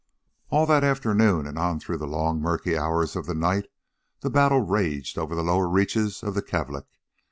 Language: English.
All that afternoon and on through the long, murky hours of the night the battle raged on the lower reaches of the Kalvik.